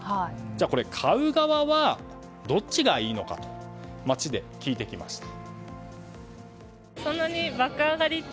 じゃあ、買う側はどっちがいいのかと街で聞いてきました。